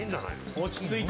落ち着いて。